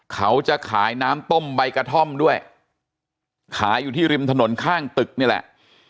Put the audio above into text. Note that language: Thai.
เขาจะขายน้ำต้มใบกระท่อมด้วยขายอยู่ที่ริมถนนข้างตึกนี่แหละ